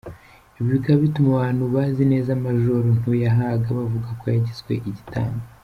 Ibi bikaba bituma abantu bazi neza Major Ntuyahaga bavuga ko yagizwe igitambo.